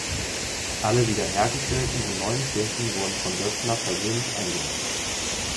Alle wiederhergestellten und neuen Kirchen wurden von Döpfner persönlich eingeweiht.